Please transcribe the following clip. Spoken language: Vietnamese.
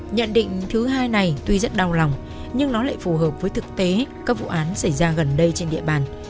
nhận định thứ hai này tuy rất đau lòng nhưng nó lại phù hợp với thực tế các vụ án xảy ra gần đây trên địa bàn